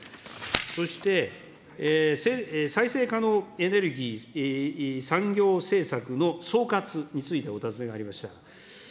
そして再生可能エネルギー産業政策の総括についてお尋ねがありました。